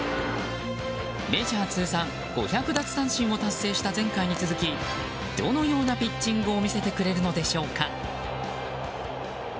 メジャー通算５００奪三振を達成した前回に続きどのようなピッチングを見せてくれるのでしょうか。